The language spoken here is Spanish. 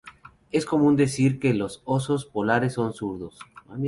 Es común decir que los osos polares son zurdos.